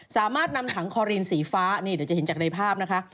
สามารถนำถังคอรีนสีฟ้านี่เดี๋ยวจะเห็นจากในภาพนะคะ